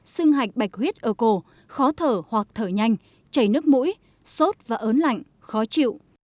sưng hạch bạch huyết ở cổ khó thở hoặc thở nhanh chảy nước mũi sốt và ớn lạnh khó chịu